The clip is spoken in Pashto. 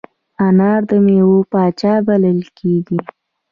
انار د میوو پاچا بلل کېږي.